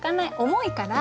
重いから！